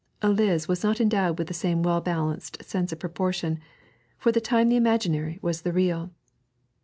Eliz was not endowed with the same well balanced sense of proportion; for the time the imaginary was the real.